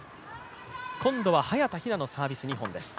今度は早田ひなのサービス２本です。